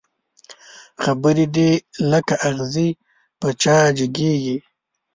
خبري دي لکه اغزي په چا جګېږي